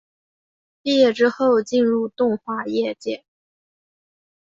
毕业之后进入动画业界。